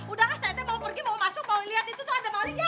udah lah saya mau pergi mau masuk mau liat itu tuh ada maling ya